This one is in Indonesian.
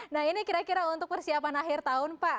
nah ini kira kira untuk persiapan akhir tahun pak